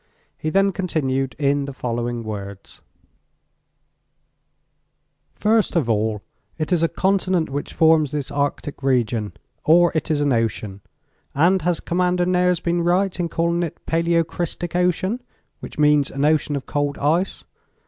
He then continued in the following words: "First of all, it is a continent which forms this arctic region, or it is an ocean, and has Commander Nares been right in calling it 'paleocrystic ocean,' which means an ocean of old ice?